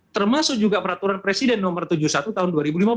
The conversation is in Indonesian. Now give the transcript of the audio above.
termasuk juga peraturan presiden nomor tujuh puluh satu tahun dua ribu lima belas